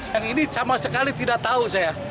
yang ini sama sekali tidak tahu saya